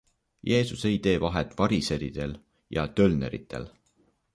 Jeesus ei tee vahet variseridel ja tölneritel.